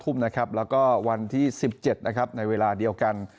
ทุ่มนะครับแล้วก็วันที่๑๗นะครับในเวลาเดียวกัน